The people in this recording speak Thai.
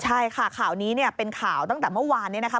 ใช่ค่ะข่าวนี้เป็นข่าวตั้งแต่เมื่อวานนะครับ